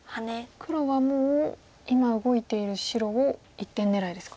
黒はもう今動いている白を一点狙いですか。